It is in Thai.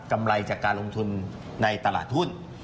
ไรจากการลงทุนในตลาดหุ้น